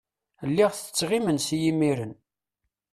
Lliɣ tetteɣ imensi imiren.